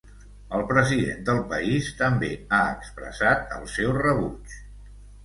El president del país també ha expressat el seu rebuig.